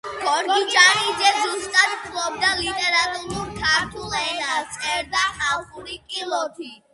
გორგიჯანიძე სუსტად ფლობდა ლიტერატურულ ქართულ ენას, წერდა ხალხური კილოთი.